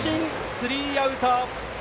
スリーアウト。